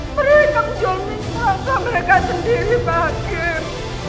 mereka menjual nama mereka sendiri pak hakim